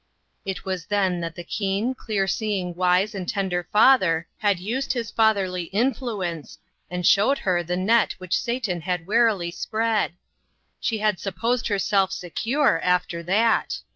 It was then that the keen, clear seeing wise and tender father had used his fatherly influence, and showed her the net which Satan had warily spread. She had supposed herself secure, after that.